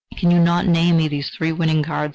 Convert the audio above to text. "Can you not name me these three winning cards?"